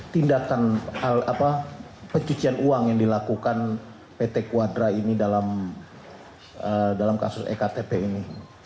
tindakan apa pencucian uang yang dilakukan petek kuadra ini dalam kasus ektp ini